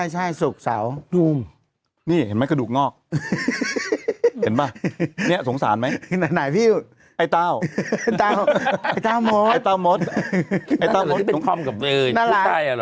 เห็นป่ะเนี่ยสงสารไหมไหนพี่ไอ้เต้าไอ้เต้ามดไอ้เต้ามดไอ้เต้ามด